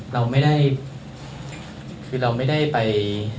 เราไม่ได้คือเราไม่ได้ไป